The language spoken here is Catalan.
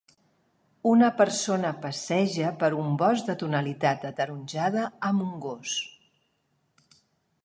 Una persona passeja per un bosc de tonalitat ataronjada amb un gos.